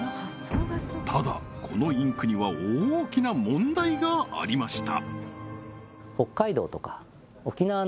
ただこのインクには大きな問題がありました